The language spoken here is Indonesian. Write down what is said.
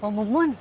poh poh mun